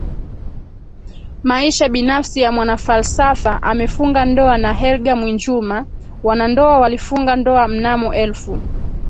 Maisha binafsi ya MwanaFalsafa amefunga ndoa na Helga Mwinjuma Wanandoa walifunga ndoa mnamo elfu